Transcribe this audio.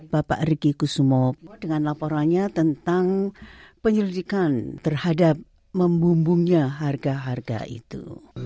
bapak riki kusumo dengan laporannya tentang penyelidikan terhadap membumbungnya harga harga itu